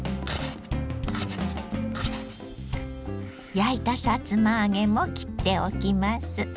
焼いたさつま揚げも切っておきます。